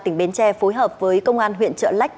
tỉnh bến tre phối hợp với công an huyện trợ lách